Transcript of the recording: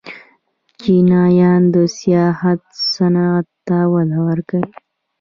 چینایان د سیاحت صنعت ته وده ورکوي.